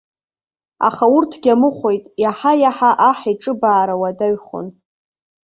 Аха урҭгьы амыхәеит, иаҳа-иаҳа аҳ иҿыбаара уадаҩхон.